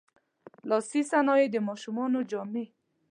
لاسي صنایع، د ماشومانو جامې.